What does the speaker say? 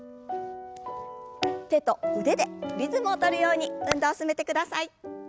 手と腕でリズムを取るように運動を進めてください。